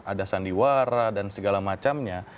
ada sandiwara dan segala macamnya